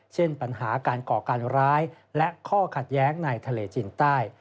เช่นปัญหาการก่อการร้ายและข้อขัดแย้งในทะเลจีนใต้